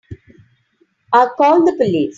I'll call the police.